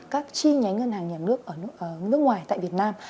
các chi nhánh ngân hàng nhà nước ở nước ngoài tại việt nam